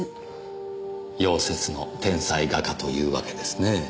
夭折の天才画家というわけですね。